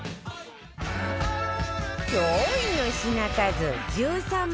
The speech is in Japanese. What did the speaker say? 驚異の品数１３万